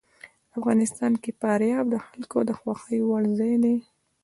افغانستان کې فاریاب د خلکو د خوښې وړ ځای دی.